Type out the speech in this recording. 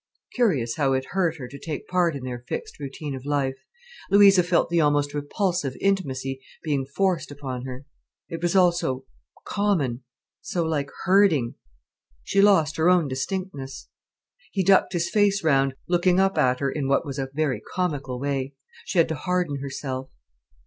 Curious how it hurt her to take part in their fixed routine of life! Louisa felt the almost repulsive intimacy being forced upon her. It was all so common, so like herding. She lost her own distinctness. He ducked his face round, looking up at her in what was a very comical way. She had to harden herself.